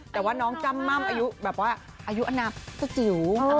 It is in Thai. แต่ว่าน้องจ้ำม่ำอายุแบบว่าอายุอนามก็จิ๋ว